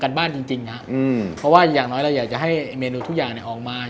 กันบ้านจริงนะเพราะว่าอย่างน้อยเราอยากจะให้เมนูทุกอย่างออกมา